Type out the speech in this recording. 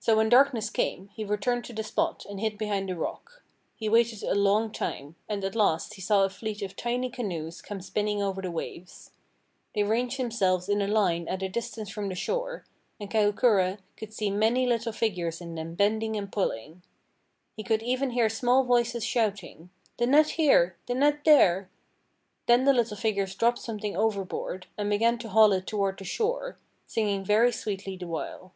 So when darkness came, he returned to the spot, and hid behind a rock. He waited a long time, and at last he saw a fleet of tiny canoes come spinning over the waves. They ranged themselves in a line at a distance from the shore, and Kahukura could see many little figures in them bending and pulling. He could even hear small voices shouting: "The net here! The net there!" Then the little figures dropped something overboard, and began to haul it toward the shore, singing very sweetly the while.